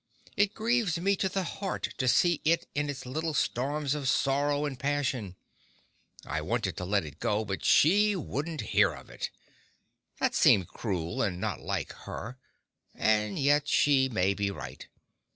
It grieves me to the heart to see it in its little storms of sorrow and passion. I wanted to let it go, but she wouldn't hear of it. That seemed cruel and not like her; and yet she may be right.